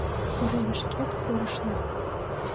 Уремышкет пурышна